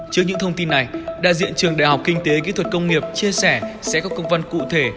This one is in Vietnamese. trước những thông tin này đại diện trường đại học kinh tế kỹ thuật công nghiệp chia sẻ sẽ có công văn cụ thể